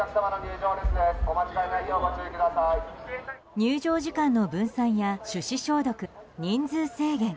入場時間の分散や手指消毒人数制限。